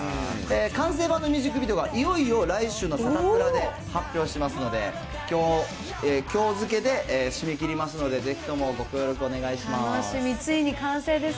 完成版のミュージックビデオは、いよいよ来週のサタプラで発表しますので、きょう付けで締め切りますので、ぜひともご協力お願いします。